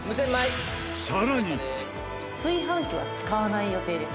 「炊飯器は使わない予定です」